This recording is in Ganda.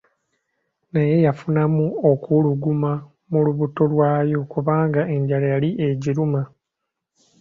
Naye yafunamu okuwuluguma mu lubuto lwayo kubanga enjala yali egiruma.